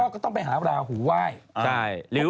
ก็ต้องไปหาราหูไหว้